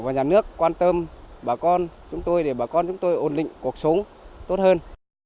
và nhà nước quan tâm bà con chúng tôi để bà con chúng tôi ổn định cuộc sống tốt hơn